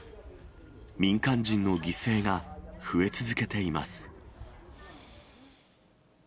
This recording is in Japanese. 民間人の犠牲が増え続けています。